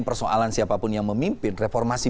persoalan siapapun yang memimpin reformasi